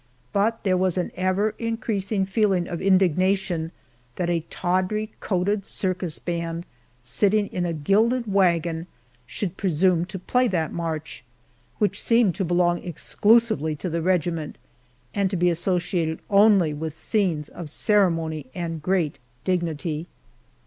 But there was an ever increasing feeling of indignation that a tawdry coated circus band, sitting in a gilded wagon, should presume to play that march, which seemed to belong exclusively to the regiment, and to be associated only with scenes of ceremony and great dignity.